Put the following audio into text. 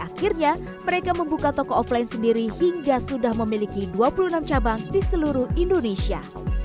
akhirnya mereka membuka toko offline sendiri hingga sudah memiliki dua puluh enam cabang di seluruh indonesia